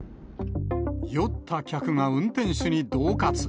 酔った客が運転手にどう喝。